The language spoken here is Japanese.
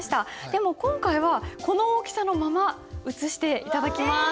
でも今回はこの大きさのまま写して頂きます。